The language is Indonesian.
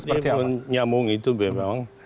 seperti apa jadi nyamung itu memang